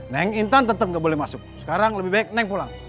neng intan tetap nggak boleh masuk sekarang lebih baik neng pulang